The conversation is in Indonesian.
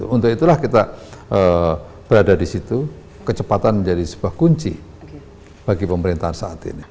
untuk itulah kita berada di situ kecepatan menjadi sebuah kunci bagi pemerintahan saat ini